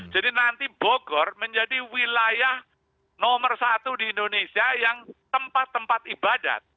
jadi nanti bogor menjadi wilayah nomor satu di indonesia yang tempat tempat ibadat